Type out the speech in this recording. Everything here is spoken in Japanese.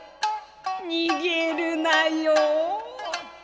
「逃げるなよ」。